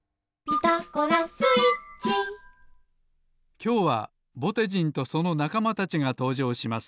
きょうはぼてじんとそのなかまたちがとうじょうします。